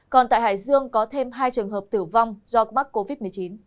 còn tại hải dương có thêm hai trường hợp tử vong do mắc covid một mươi chín